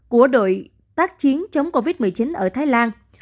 của đội tác chiến chống covid một mươi chín ở thái lan